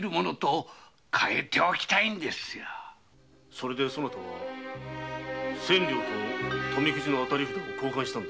それでそなたは千両と当たり札を交換したのだな。